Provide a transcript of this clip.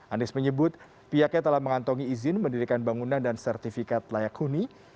anies menyebut pihaknya telah mengantongi izin mendirikan bangunan dan sertifikat layak huni